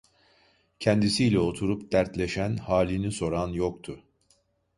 Kendisiyle oturup dertleşen, halini soran yoktu.